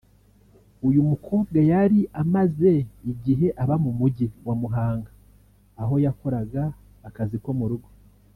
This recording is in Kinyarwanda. uyu mukobwa yari amaze igihe aba mu mujyi wa Muhanga aho yakoraga akazi ko mu rugo